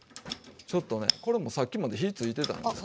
これもさっきまで火ついてたんですよ。